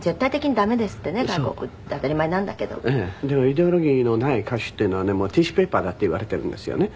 イデオロギーのない歌手っていうのはねティッシュペーパーだって言われてるんですよね